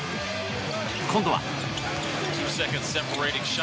今度は。